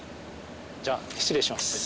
じゃあ失礼します。